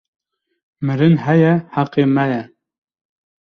Mirin heye heqê me ye